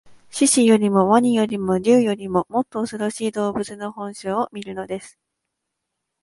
獅子よりも鰐よりも竜よりも、もっとおそろしい動物の本性を見るのです